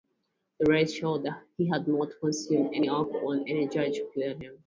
The test showed he had not consumed any alcohol and a judge cleared him.